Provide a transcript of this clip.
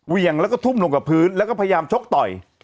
เวียงแล้วก็ทุ่มลงกับพื้นแล้วก็พยายามชกต่อย